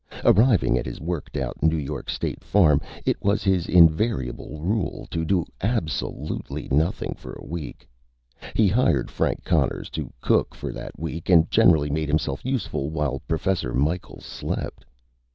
Arriving at his worked out New York State farm, it was his invariable rule to do absolutely nothing for a week. He hired Frank Conners to cook for that week and generally make himself useful, while Professor Micheals slept.